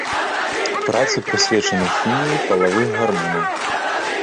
Працы прысвечаны хіміі палавых гармонаў.